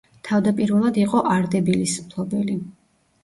თავდაპირველად იყო არდებილის მფლობელი.